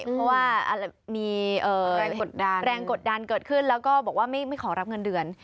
เพราะว่ามีแรงกดดันแรงกดดันเกิดขึ้นแล้วก็บอกว่าไม่ขอรับเงินเดือน